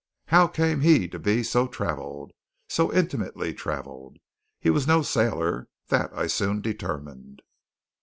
How came he to be so travelled? so intimately travelled? He was no sailor; that I soon determined.